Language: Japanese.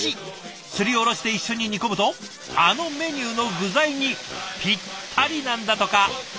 すりおろして一緒に煮込むとあのメニューの具材にぴったりなんだとか。